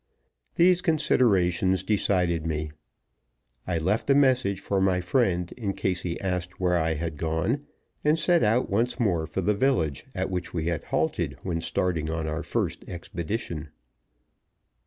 These considerations decided me. I left a message for my friend in case he asked where I had gone, and set out once more for the village at which we had halted when starting on our first expedition.